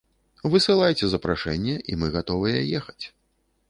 Высылайце запрашэнне і мы гатовыя ехаць.